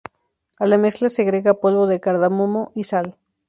A la mezcla se agrega polvo de cardamomo y sal.